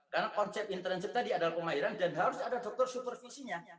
karena konsep internship tadi adalah pemahiran dan harus ada dokter supervisinya